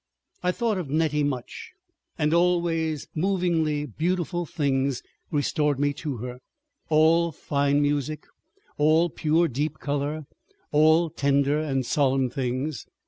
I thought of Nettie much, and always movingly beautiful things restored me to her, all fine music, all pure deep color, all tender and solemn things.